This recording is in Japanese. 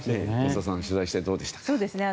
増田さん、取材しててどうですか？